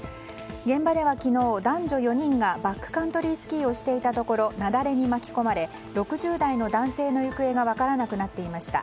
現場では昨日、男女４人がバックカントリースキーをしていたところ雪崩に巻き込まれ６０代の男性の行方が分からなくなっていました。